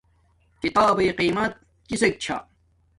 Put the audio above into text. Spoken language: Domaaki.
کتابݷ قیمت کسک چھا